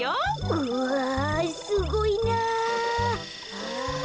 うわすごいな！